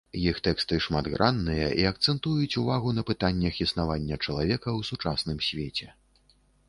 Іх тэксты шматгранныя і акцэнтуюць увагу на пытаннях існавання чалавека ў сучасным свеце.